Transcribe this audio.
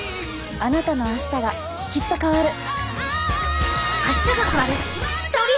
あなたのあしたがきっと変わる。